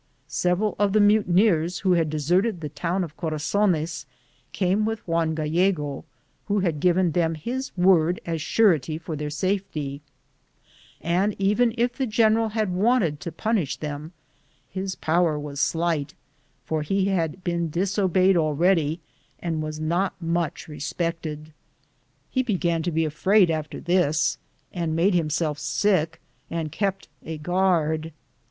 Several of the mutineers who had deserted the town of Co razones came with Juan Gallego, who had given them his word as surety for their am Google THE JOURNEY OP CORONADO safety, and even if the general had wanted to punish them, his power was slight, for he had been disobeyed already and was not much respected. He began to be afraid again after this, and made himself sick, and kept a guard.